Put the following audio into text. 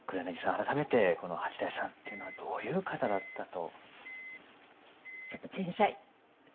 改めてこの八大さんっていうのはどういう方だったと？